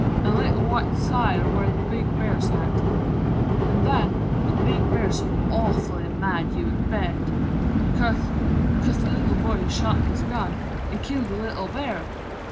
An' lit wite side o' where the Big Bear's at. An' nen the Big Bear's awful mad, you bet! 'Cause 'cause the Little Boy he shot his gun An' killed the Little Bear.